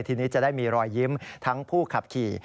ทีนี้จะได้มีรอยยิ้มทั้งผู้ขับขี่